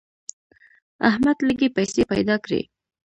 احمد لږې پیسې پیدا کړې.